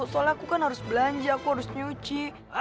soal aku kan harus belanja aku harus nyuci